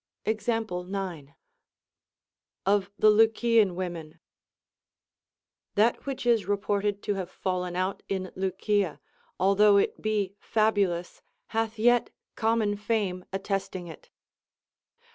ExAAiPLE 9. Of the Lycian Women. That Avhich is reported to have fallen out in Lycia, although it be fabulous, hath yet common fame attesting it.